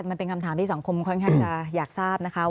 มันเป็นคำถามที่สังคมค่อนข้างจะอยากทราบนะคะ